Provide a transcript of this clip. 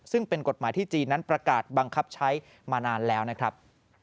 ซึ่งเป็นกฎหมายที่จีนนั้นประกาศบังคับใช้มานานแล้วนะครับ